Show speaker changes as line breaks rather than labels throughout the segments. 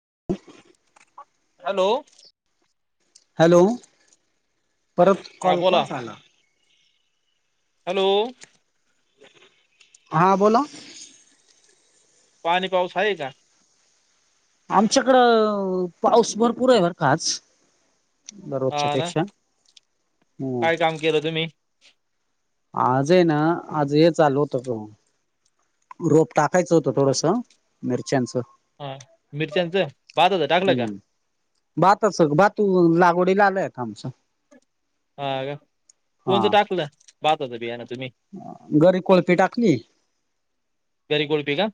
[inaudible]
Hello,
hello, परत
हा
call
बोला
कोणचा आला.
हॅलो
हा बोला
पाणी पाऊस आहे का.
आमच्याकडं पाऊस भरपूर आहे. बर का आज रोजच्या
हा ना
पेक्षा हो
काय काम केलं तुम्ही
आज आहे ना आज हे चालू होतं. रोप टाकायचं होत थोडस मिरच्यांच
हा मिरच्यांचं भाताचं टाकलं का
हम्म भातच भातू लागवडीला आलाय आमचं,
हा का कोणचं
हा
टाकलं भाताचं बियान तुम्ही
गरी कोळपी टाकली
घरी कोळपी का?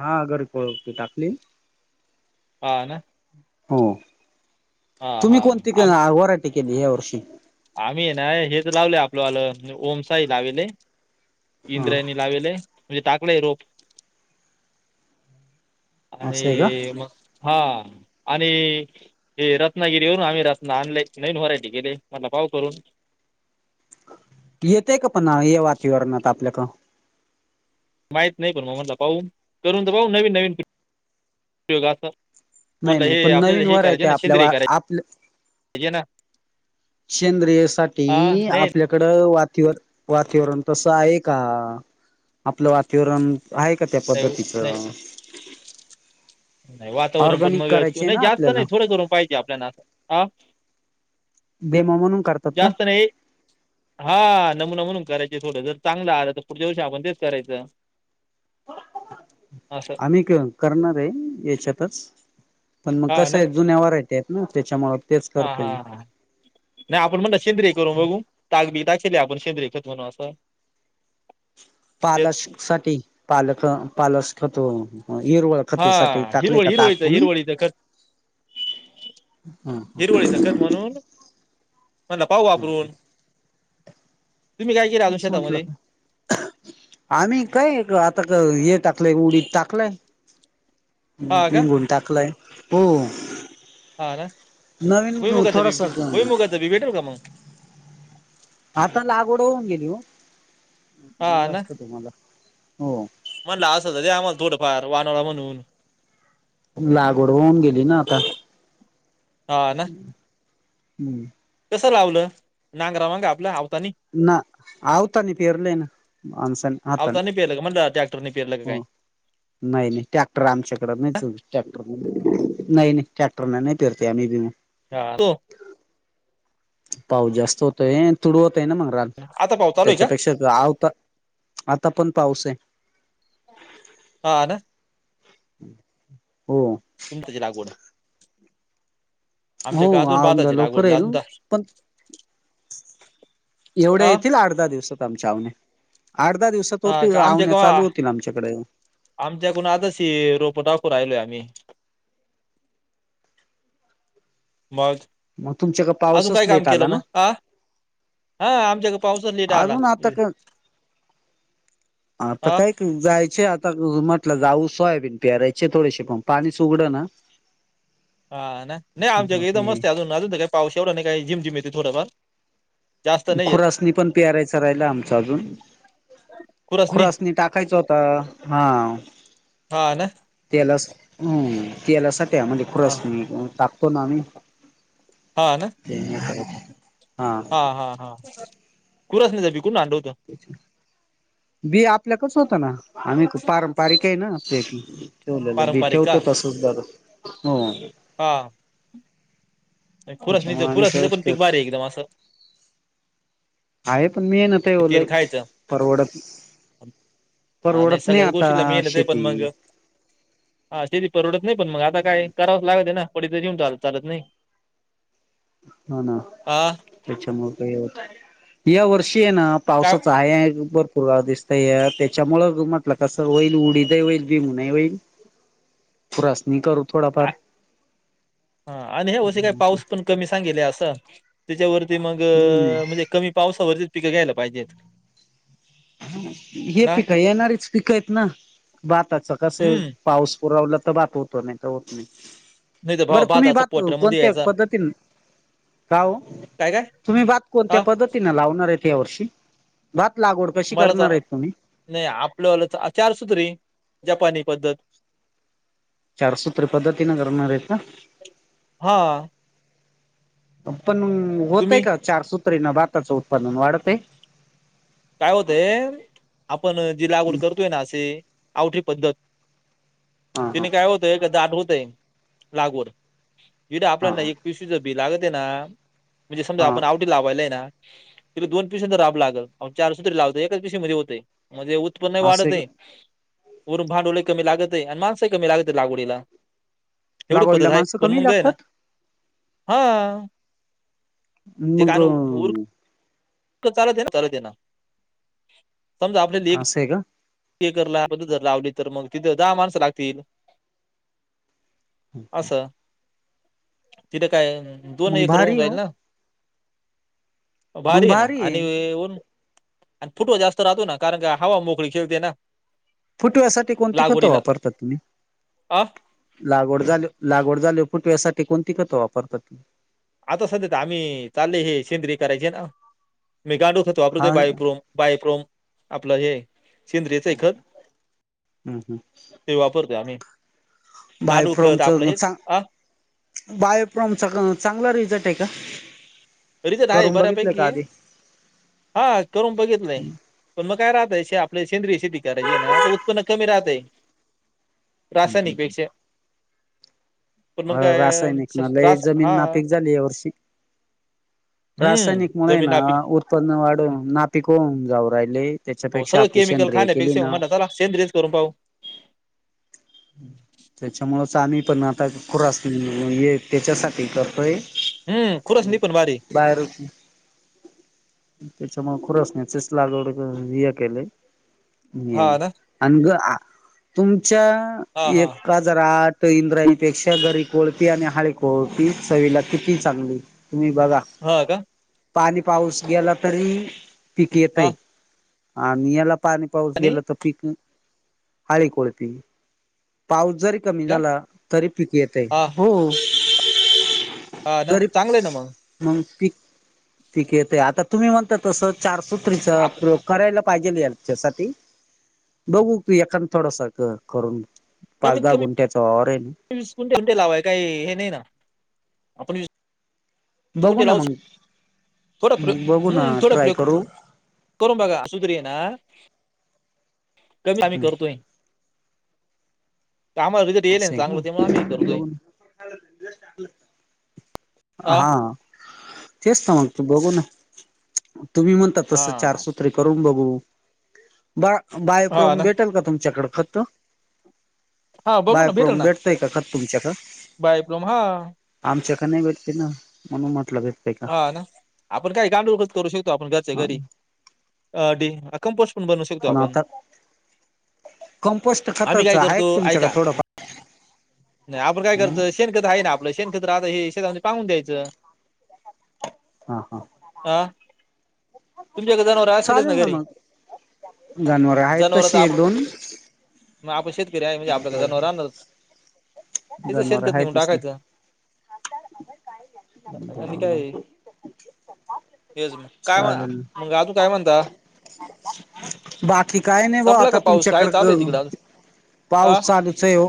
हा घरपोच टाकली.
हा का
हो तुम्ही कोणती ग आ वराटी केली यावर्षी?
आम्हीय ना हेच लावले आपलं वालं ओम साही लावेले.
हा
इंद्रायानी लावेले. म्हणजे टाकलेय रोप
असं आहे का
आणि मग हा आणि हे रत्नागिरी वरुन आम्ही रत्ना आणले नवीन व्हरायटी केलीय. मधला पाव करून
येतय का पण या वातीवरणात आपल्याकं
माहित नाही पण मग म्हणला पाहू करून तर बघू नवीन नवीन प्रयोग आस.
नाही
म्हणलं
नाही
हे
पण
आपल्या
नवीन
हे
व्हरायटी
करायचे ना शेंद्रीय
आपल्या आपल्या
करायची हे ना
सेंद्रिय साठी
हा नाही
आपल्याकडं वात तीवर वातीवरण तसं आहे का आपलं वातीवरण आहे का त्या
नाही
पद्धतीचं
नाही नाही वातावरण पण
ऑर्गॅनिक
मग
करायचे आहे
नाही
ना
जास्त
आपल्याला.
नाही थोडं करून पाहिजे आपल्याला आं
डेमो म्हणून करतात का?
जास्त नाही हा नम नमून करायचे थोडं जर चांगलं आलं तर पुढच्या वर्षी आपण तेच करायचं. असं
आम्ही क करणाराय याच्यातच पण मग
हा
कस
ना
आहे जुन्या व्हरायटी आहेत ना त्याच्यामुळे, तेच
हा
करतोय
हा
मी.
हा नाही आपण म्हणलं शेंद्रिय करून बघू ताक बी टाकली आपण, पण सेंद्रीय खत होणारा अस
पालश साठी पालक पालश खत हो
हा हिरवळ हिरवळीचं हिरवळीचं खत
[unintelligible] हम [unintelligible]
हिरवळीचं खत म्हणून म्हणलं पाहू वापरून तुम्ही काय केलं अजून
तेच म्हटलं,
शेतामध्ये
आम्ही काय क आता क ये टा लय उडीत टाकलाय,
हा का
पेंगून टाकलाय हो
ह ना
नवीन
भूईमुगाच बी,
थोडस
भूईमुगाच बी, भेटल का मग?
आता लागवड होऊन गेली हो,
हा
दीलं
ना
असत तुम्हाला, हो
म्हणलं असं त दया आम्हाला, थोडंफार वानोळा म्हणून
लागवड होऊन गेली ना आता,
हा ना
हूं
कसं लावलं? नांगरा माग आपल आ
हा आवतानी पेरलय ना, माणसांनी हातान
टॅक्टरने पेरलं की काय?
नाही, नाही टॅक्टर आमच्याकडे नहीच, टॅक्टर नाही नही टॅक्टरनं नही पेरतय आमी भुईमूग
तो!
पाऊस जास्त होतोय तुडवत त्यानं म रान
आता पाऊस चालू आहे का
त्याच्यापेक्षा आवता आता पण पाऊस हे
हा ना
[inaudible]
तुम्ही त्याची लागवड
हो
आमच्या का अजून
औंदा
भाताची
लवकर
लागवड
आहे न
अजून
पण एवढ्या
हा
येतील आठ, धा दिवसात आमच्या अवन्या आठ दहा दिवसात
हा
होतील, आवण्या चालू होतील आमच्याकडं
आमच्याकून आताशी रोपं टाकून राहिलोय आम्ही. बात
मग तुमच्या का
अजून
पाऊसच
काय काम
लेट
केलं
आला
म
ना
आ हा आमच्याक
अजून आता क आता
हा
कायी, कायी जायचे आत म्हटलं जाऊ सोयाबीन पेरायचे थोडेसे, पण पाणीच उघडं ना
हा ना नई आमच्याक इथं
त्याच्यामध्ये
मस्तय अजून, अजून त काय पाऊस एवढा नही काही, झिमझिम येते थोडंफार जास्त नाही येत
खुरासनी पण, पेरायच राहिलं आमचं अजून.
खुरच नाही
खुरासनी टाकायचं होता हा
हा ना
तेलास हूं तेलासाठी आमाले
हा
खुरासणी टाकतो ना आम्ही. ते नी हाय
हाहा खुरासणीच बी कुठून आणलं होतं
बी आपल्याकच होतं ना आम्ही पारंपरिक हे ना, ते ठेवलेलं बी
पारंपरिक का
ठेवतं तसंच दर हो
हा! खुरासणीचं
त्याच्यामुळे आम्ही
खुरासनीचं पण
तेच
पिक
ठेवतो
भारी आहे. एकदम असं.
मी ना ठेवलय
तेल खायचं
परवडत
हा
परवडत नाही
सगळ्याच गोष्टीला
आता
मेहनत आहे पण
शेती
मग हा शेती परवडत नाही पण मग आता काय करावंच लागते ना पडीत त ही घेऊन चालत, चालत नाही
हा, ना,
हा
त्याच्यामुळ काय होत यावर अशी आहे ना
काय
पावसाचा आय या ना भर पूराळ दिसतया त्याच्यामुळं ग म्हटलं, कसं होईल, उडीदही होईल, भीईमूग ही होईल खुरासनी करू थोडाफार
हा आणि हया वर्षी काय,
म्हटलं
पाऊस पण कमी सांगितलाय असं, त्याच्यावर ते मग,
हम्म
म्हणजे कमी पावसावरती पिकं घ्यायला पाहिजेत.
हे
ना
पिकं येणारीच पिकं आहेत, ना भाताचं कसंय
हम्म
पाऊस पुरवलं तर भात होतो, नाही त होत नाही
नाही तर भाऊ
बरं तुम्ही
भाताचा
बात
पोटरामध्ये
कोणत्या
यायचा
पद्धतीन का ओ
काय काय
तुम्ही भात कोणत्या
हा
पद्धतीने लावणार आहेत या वर्षी भात लाग
मला तर नाही आपलं वाल चारसूत्री जपानी पद्धत.
चारसूत्र पद्धतीने करणार आहेत का
हा
पन होतय
तुम्ही
का चार सूत्रेना बाताच उत्पादन वाढतय
काय होतंय आपण जी लागवड करतोय ना असशी आवठी पद्धत
हा हा
तिने काय होतय का दाट होतय लागवड जड
हा
आपल्यालाना एक पिसवीचं बि लागत आहे ना म्हणजे समजा
हा
आपण आवडी लावायलाय ना [unintelligible] म्हणजे उत्पन्न
असं
वाढत
आहे का?
ये वरून भांडवल कमी लागत आहे आणि माणसही कमी लागत आहे लागवडीला एवढं पद्धत
लागवडीला
हाय
माणसं
पण
कमी
मंगय ना?
लागतात?
हा.
मग
चा ना चाल दे ना समजा आप लि
असं आहे का?
ते करला पद् लावली तर मग तिथे दहा माणसं लागतील
अच्छ
असं तिथं काय दोन
मग
एकर होऊन
भारी हो
जाईल ना भारी आहे ना आणि ऊन आणि फुटवा जास्त राहतो ना कारण का हवा मोकळी [inaudible] ना
फुटव्यासाठी कोणती खतं
लागवडीला
वापरतात तुम्ही
अ
लागवड झाली लागवड झाली पुटसाठी कोणती खतं वापरतात?
आता सधेत आम्ही चालले हे सेंद्रीय करायची ना मी गांडुळ खत
हा
वापरतते
हम्म
बायप्रोम बायप्रोम आपलं हे शेंद्रिच ए खत ते वापरतो आम्ही
बाय
गांडूळ खत आपलं हेच
फ्रोमचां
अ
बाय फ्रोमचा चांगला रिझल्ट आहे का?
रिचत आहे
करून बघितलं
बऱ्यापैकी
का
हे
आधी?
हा करून बघितलंय पण मग काय राहतय आप आपल्या सेंद्रिय शेती करायची आहे ना आता उत्पन्न कमी राहतय रासायनिक पेक्षा पण
अ
मग काय
रासायनिक
स-
मला
रास
जमीन
हा
नापिक झाली आहे या वर्षी
हम्म
रासायनिक मुळे
जमीन
ना
आपली
उत्पन्न वाढून नापिक होऊन जाऊ राहिले
हो
त्याच्यापेक्षा
सगळं
आपली
केमिकल
सेंद्रिय केली
खाण्यापेक्षा मग
ना
म्हणलं चला सेंद्रियच करून पाहू
त्याच्यामुळेच आम्ही पण आता खुरास त्याच्यासाठी करतोय
हम्म खुरसनी पण भारी
हम् [inaudible] [unintelligible] ये
हा ना
अ ग तुमच्या
हा हा
एक हजार आठ तर इंद्रायणीपेक्षा घरी कोळती आणि हाळी कोळती चवीला किती चांगली तुम्ही बघा
हा का
पाणी पाऊस गेला तरी पीक
हा
येतय आणि याला पाणी पाऊस
आणि
गेला तर पीक हळी कोळ प पाऊस जरी कमी
का
झाला तरी पिक येते
हा
हो
हा ना
करिप
चांगलं आहे ना मग
माणुसकी पीक येत आता तुम्ही म्हणता तसं चारसूत्रीचा
आप
प्रयोग करायला पाहिजे या त्यासाठी बघू तू एखा थोडस करून पाच
कमीत
दहा
कमी
गुंट्याचा ऑवर आहे ना
[inaudible] लावाय काही हे नाही ना आपण वि
बघू ना मग
शकतो थोडा
म बघू
प्रयोग
ना
हम्म थोडा
ट्राय
प्रयोग
करू
करून बघा सुतरीय ना कभी आम्ही करतोय तर आम्हाला रिझल्ट येईल ना
असं आहे का
चांगलं त्यामुळे आम्ही करतोय
हा. तेच ना मनतो, बघून ना. तुम्ही म्हणता तस
हा
चारसूत्रीे करून बघू बा बायोप्रोम
हा ना
भेटेल का तुमच्याकडं खत्त
हा बघू ना भेटेल
बायप्रोम
ना
भेटतय का खत तुमच्याकडं?
बायोप्लॉम हा
आमच्या भेटते ना म्हणून म्हटलं भेटते काय?
हा ना आपण काय गांडूळखत करू शकतो आपण घरचे
हा
घरी अ डी कंपोस्ट स्ट बनवू शकतो
पण
आपण
आता कंपोस्ट
आम्ही काय
खताचं आहे
करतो
का
ऐका
तुमच्याकडे थोडंफार
नाही आपण काय करतं शेण खत आहे ना आपलं शेण खत राहत हे शेता मध्ये पाांगून द्यायचं.
हा हा.
तुमच्याकडं जानवरं असतीलच न घरी?
जनावरं आहेत
जनावर
तशी
तर
एक
आपण
दोन
मग आपण शेतकरी आहे, म्हणजे आपल्याकडं जनावरं राहणारच. याच
जनावर
शेणखत
आहे
नेऊन
तीच
टाकायचं.
ना [inaudible]
होय हेच मग काय म्हणा
चालेल
मंग आजून काय म्हणता?
बाकी काय नाही ब्वा
संपला
आता
का पाऊस काय चालू
तुमच्याकडे
आहे तिकडं आ
पाऊस चालूच आहे हो,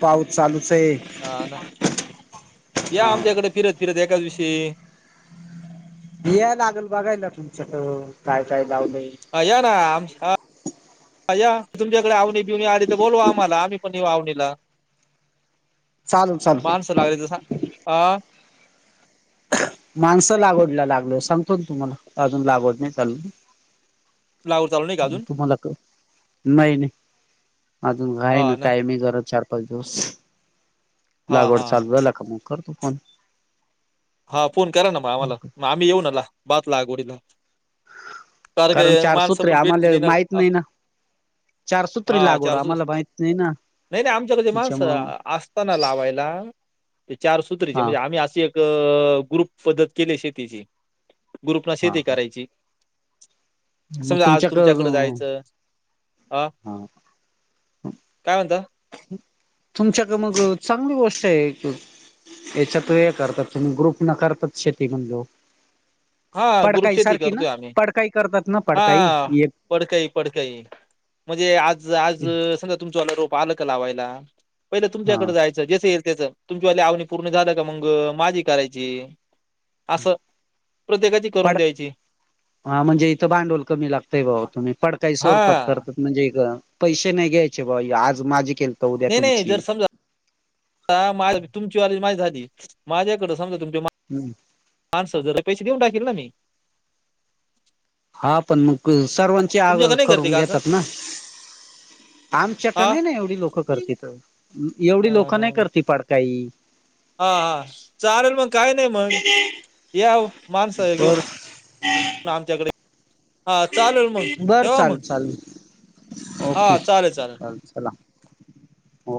पाऊस चालूच आहे.
हा ना या
हा
आमच्याकडे फिरत फिरत एखाद्या दिवशी
याला लागल बघायला तुमच्याक, काय काय लावलंय
या ना आमच्या या तुमच्याकडे आवनी बिवणी आली तर बोलू आम्हाला आम्ही पण आवणीला,
चालू चालू
माणस लागली तर सांगा
माणसं लागवडला लागल सांगतो ना तुम्हाला अजून लागवड नाही चालूं.
[inaudible] चालू नाही का अजून
तुम्हाला नाही नाही अजून आहे ना टाइमिंग जरा चार पा्च दिवस
हा
लागवड
हा
चालू झाला का मग करतो फोन.
हा फोन करा ना मग आम्हाला, मग आम्ही येऊ ना भात लागवडीला.
कारण
काय माणसं
चारसूत्रे
पण
आम्हाला
भेटती ना
माहित
हा
नाही ना चारसूत्री
हा
लागवड
चार सुत्री
आम्हाला माहित नाही ना.
नाही नाही आमच्याकड माणस
त्याच्यामुळ मग
असताना लावायला ते चारसत्रीची
हा
म्हणजे आम्ही अशी एक ग्रुप पद्धत केलीय शेतीची. ग्रुपनं
हा
शेती
हा
करायची. सगळं आज तुमच्याकडं जायचं. आ
हा
काय म्हणता?
तुमच्याकडं मग चांगली गोष्ट आहे एक याच्यातू हे करतात तुम्हीं ग्रुप न करतात शेती म्हणल्यावर
हा ग्रुप
पडकाई
शेती
सारखी ना
करतोय आम्ही,
पडकाई करतात ना पडकाई
हा पडकाई पडकाई. म्हणजे आज आज
एक
समजा तुमचं वाल रोप आलं काय लावायला, पहिले
हा
तुमच्याकडे जायचं जसे येईल तुमच्या वाली आवनी पूर्ण झाला, का मग माझी करायची असं प्रत्येकाची करून
पड
द्यायची.
हा म्हणजे इथं भांडवल कमी लागतय भाऊ तुम्ही पडकाई
हा
स्वरूपात करतात म्हणजे पैसे नाही घ्यायचे भो आज माझे केली
नाही नाही जर समजा तुमची वाली माझी झाली माझ्याकड समजा तुम्
हम्म.
माणसं जर पैसे देऊन टाकेल ना मी.
हा पण मग सर्वांची आगळ
तुमच्याकडे नाही करते
करून
का असं
घेतात ना? आमच्याकडं
हा
नाही ना एवढी लोकं करत इथं तर एवढी लोकं नाही करती पडकाई.
हा हा चालेल मग काही नाही मग यावं माणसं घेऊन.
बर
आमच्याकडे हा चालेल मग
बर
ठेवा
चाल
मग
चाल
हा
ओके
चालेल चालेल.
चाल चला हो